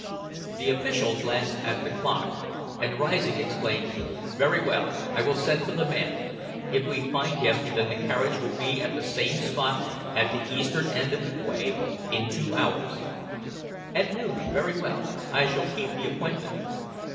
The official glanced at the clock, and rising exclaimed "Very well, I will send for the man. If we find him, then the carriage will be at the same spot at the eastern end of the quay in two hours." "At noon. Very well. I shall keep the appointment."